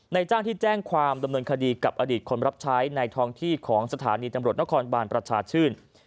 จ้างที่แจ้งความดำเนินคดีกับอดีตคนรับใช้ในท้องที่ของสถานีตำรวจนครบานประชาชื่น